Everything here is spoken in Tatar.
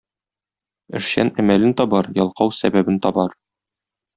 Эшчән әмәлен табар, ялкау сәбәбен табар.